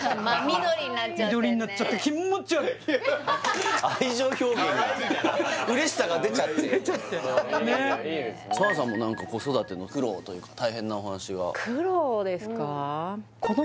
緑になっちゃって気持ち悪い愛情表現が出ちゃってねっ澤さんも子育ての苦労というか大変なお話が苦労ですか？